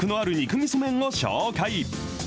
みそ麺を紹介。